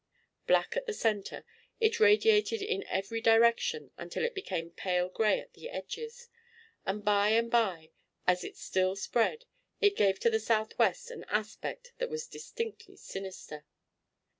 Black at the center, it radiated in every direction until it became pale gray at the edges, and by and by, as it still spread, it gave to the southwest an aspect that was distinctly sinister.